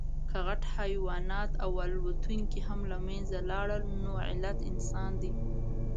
که غټ حیوانات او الوتونکي هم له منځه لاړل، نو علت انسان دی.